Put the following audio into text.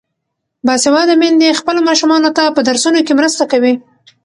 باسواده میندې خپلو ماشومانو ته په درسونو کې مرسته کوي.